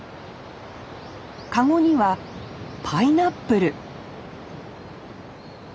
カゴにはパイナップル！